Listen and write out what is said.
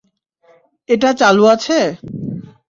এটা চালু আছে?